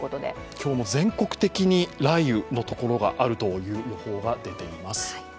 今日も全国的に雷雨のところがあるという予報が出ています。